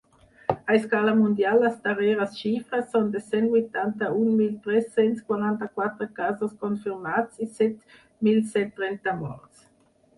A escala mundial les darreres xifres són de cent vuitanta-un mil tres-cents quaranta-quatre casos confirmats i set mil cent trenta morts.